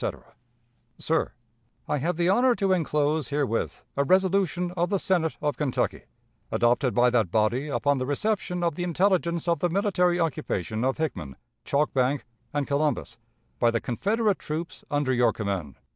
_ "Sir: I have the honor to inclose herewith a resolution of the Senate of Kentucky, adopted by that body upon the reception of the intelligence of the military occupation of Hickman, Chalk Bank, and Columbus, by the Confederate troops under your command.